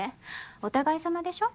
お互い様でしょ？